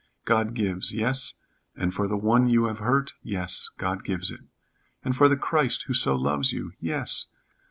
God gives, yes, and for the one you have hurt? Yes. God gives it. And for the Christ who so loves you? Yes.